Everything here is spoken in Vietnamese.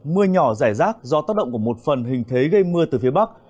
mưa nhỏ rải rác do tác động của một phần hình thế gây mưa từ phía bắc